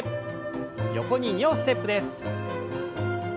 横に２歩ステップです。